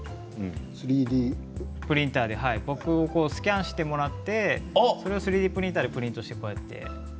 ３Ｄプリンターで僕をスキャンしてもらってそれを３Ｄプリンターでプリントしてもらって。